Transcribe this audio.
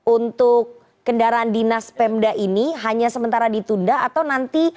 untuk kendaraan dinas pemda ini hanya sementara ditunda atau nanti